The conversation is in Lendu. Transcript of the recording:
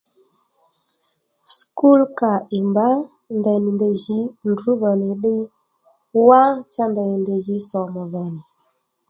Sukúl kà ì mbǎ ndèy nì ndèy jǐ ndrǔ dhò nì ddiy wá cha ndèy nì ndèy jǐ sòmù dhò nì